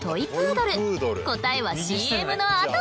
答えはＣＭのあと！